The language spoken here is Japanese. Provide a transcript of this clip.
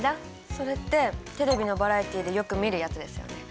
それってテレビのバラエティーでよく見るやつですよね？